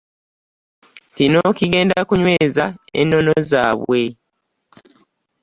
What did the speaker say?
Kino kigenda kunyweza ennono zaabwe